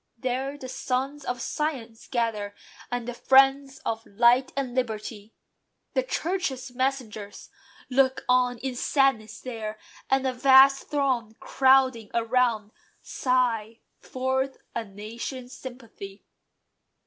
There The sons of science gather, and the friends Of light and liberty. The Churches' messengers Look on in sadness there; and a vast throng, Crowding around, sigh forth a nation's sympathy.